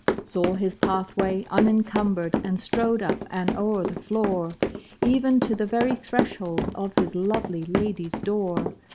Saw his pathway unencumbered and strode up and o'er the floor. Even to the very threshold of his lovely lady's door.